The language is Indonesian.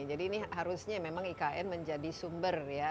jadi ini harusnya memang ikn menjadi sumber ya